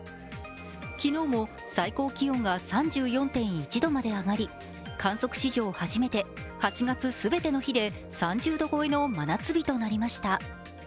昨日も最高気温が３４．１度まで上がり観測史上初めて８月全ての日で３０度超えの真夏日となりました。